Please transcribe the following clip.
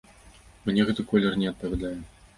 Мне гэты колер не адпавядае.